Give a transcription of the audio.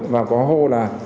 và có hô là